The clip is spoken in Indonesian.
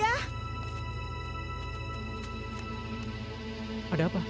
aku sudah berhenti